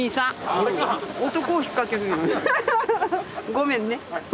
ごめんね。